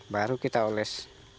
baru kita oles